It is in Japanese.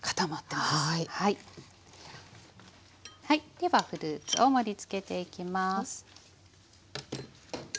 ではフルーツを盛りつけていきます。